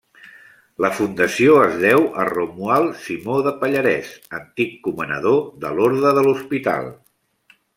La fundació es deu a Romuald Simó de Pallarès, antic comanador de l'orde de l'Hospital.